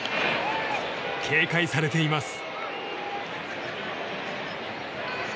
警戒されています。